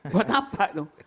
buat apa itu